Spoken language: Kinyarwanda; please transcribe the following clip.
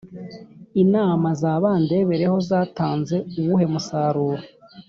inama za bandebereho zatanze uwuhe musaruro ?